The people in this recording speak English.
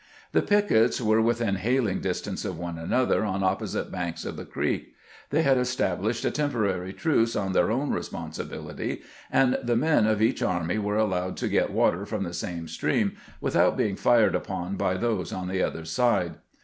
The pickets were within hailing distance of one another on opposite banks of the creek. They had established a temporary truce on their own responsibility, and the men of each army were allowed to get water from the same stream without being fired upon by those on the GKANT SAIiUTED BY THE ENEMY 11 other side.